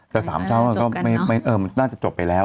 แต่สามเศร้าน่าจะจบไปแล้ว